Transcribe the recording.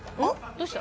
どうした？